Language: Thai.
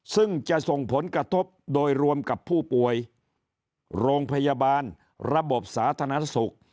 ซึ่งจะส่งผลกระทบโดยรวมกับผู้ป่วยโรงพยาบาลระบบสาธารณสุข